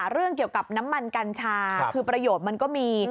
เรื่องเกี่ยวกับน้ำมันกัญชาคือประโยชน์มันก็มี